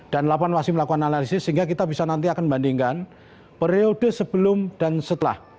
lapan masih melakukan analisis sehingga kita bisa nanti akan membandingkan periode sebelum dan setelah